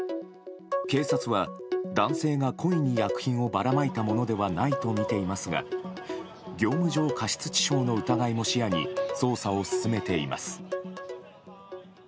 警察は、男性が故意に薬品をばらまいたものではないとみていますが業務上過失致傷の疑いも視野に捜査を進めています。